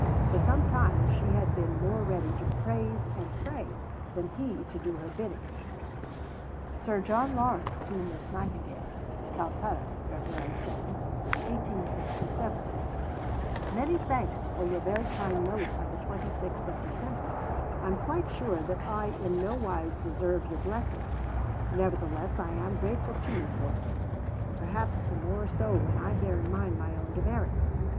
For some time she had been more ready to praise and pray than he to do her bidding: (Sir John Lawrence to Miss Nightingale.) CALCUTTA, Feb. 7 . Many thanks for your very kind note of the 26th of December. I am quite sure that I in no wise deserve your blessings; nevertheless I am grateful to you for them, perhaps the more so when I bear in mind my own demerits.